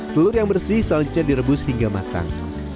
telur yang bersih selanjutnya direbus hingga matang